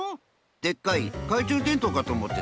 でっかいかいちゅうでんとうかとおもってた。